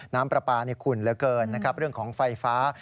น้ำปลาปานี่คุณเร็วเกินเรื่องของไฟฟ้า